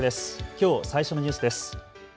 きょう最初のニュースです。